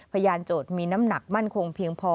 โจทย์มีน้ำหนักมั่นคงเพียงพอ